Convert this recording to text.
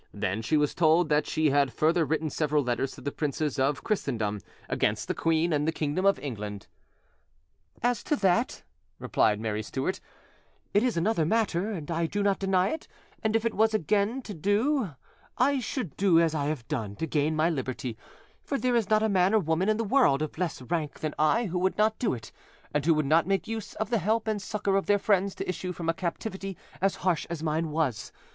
Then she was told that she had further written several letters to the princes of Christendom, against the queen and the kingdom of England. "As to that," replied Mary Stuart, "it is another matter, and I do not deny it; and if it was again to do, I should do as I have done, to gain my liberty; for there is not a man or woman in the world, of less rank than I, who would not do it, and who would not make use of the help and succour of their friends to issue from a captivity as harsh as mine was.